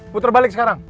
muter balik sekarang